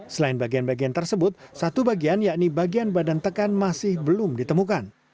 selain bagian bagian tersebut satu bagian yakni bagian badan tekan masih belum ditemukan